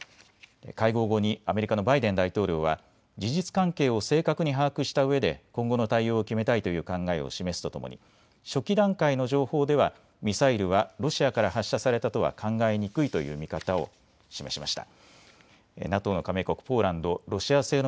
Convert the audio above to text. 会合後にアメリカのバイデン大統領は事実関係を正確に把握したうえで今後の対応を決めたいという考えを示すとともに初期段階の情報ではミサイルはロシアから発射されたとは考えにくいという見方を示しました。